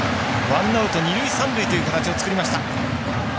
ワンアウト、二塁三塁という形を作りました。